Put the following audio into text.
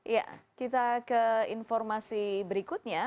ya kita ke informasi berikutnya